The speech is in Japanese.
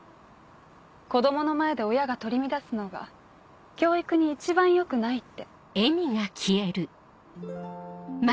子供の前で親が取り乱すのが教育に一番良くないって。